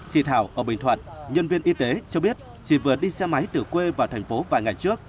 chị thảo ở bình thuận nhân viên y tế cho biết chỉ vừa đi xe máy từ quê vào thành phố vài ngày trước